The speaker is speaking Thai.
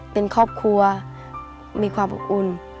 เป็นครอบครัวมีความอบอุ่น